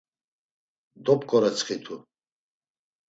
Dop̌ǩoretsxitu.